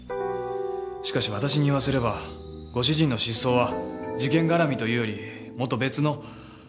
しかし私に言わせればご主人の失踪は事件絡みというよりもっと別の。